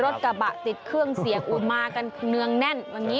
รถกระบะติดเครื่องเสียงอุมากันเนืองแน่นวันนี้